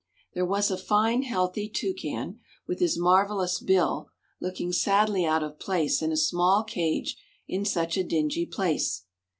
There was a fine, healthy toucan, with his marvellous bill, looking sadly out of place in a small cage in such a dingy place.